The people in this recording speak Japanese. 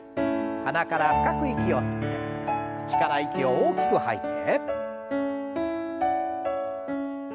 鼻から深く息を吸って口から息を大きく吐いて。